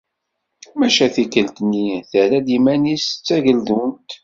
Maca tikkelt-nni terra-d iman-is d tageldunt.